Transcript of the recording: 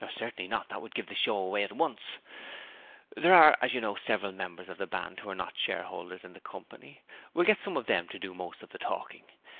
'Certainly not; that would give the show away at once. There are, as you know several members of the Band who are not shareholders in the company; we'll get some of them to do most of the talking.